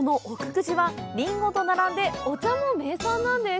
久慈は、リンゴと並んでお茶も名産なんです。